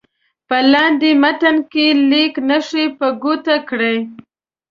په لاندې متن کې لیک نښې په ګوته کړئ.